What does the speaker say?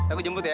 aku jemput ya